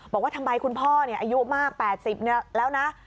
บอกว่าทำไมคุณพ่ออายุมาก๘๐แล้วนะ